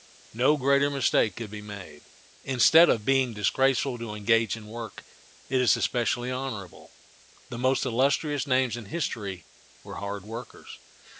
No greater mistake could be made. Instead of being disgraceful to engage in work, it is especially honorable. The most illustrious names in history were hard workers.